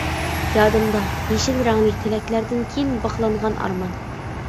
يادىمدا، يېشىل رەڭلىك تىلەكلەردىن كېيىن بىخلانغان ئارمان.